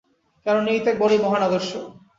কারণ এই ত্যাগ বড়ই মহান আদর্শ।